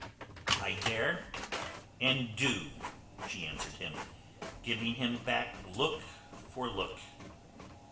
"I dare and do," she answered him, giving him back look for look.